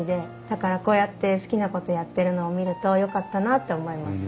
だからこうやって好きなことやってるのを見るとよかったなって思います。